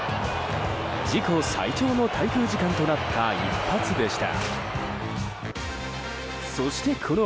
自己最長の滞空時間となった一発でした。